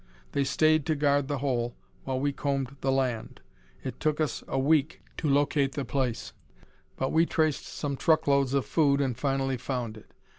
They stayed to guard the hole while we combed the land. It took us a week to locate the place, but we traced some truck loads of food and finally found it.